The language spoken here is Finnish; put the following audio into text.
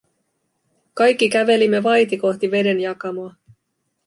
Kaikki kävelimme vaiti kohti vedenjakamoa.